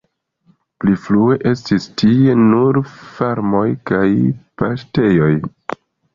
Pli frue estis tie nur farmoj kaj paŝtejoj.